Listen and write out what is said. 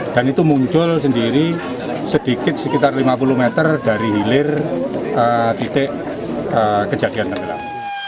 dan itu muncul sendiri sedikit sekitar lima puluh meter dari hilir titik kejadian tersebut